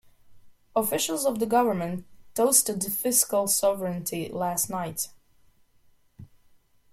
Officials of the government toasted the fiscal sovereignty last night.